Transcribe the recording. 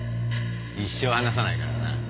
一生離さないからな。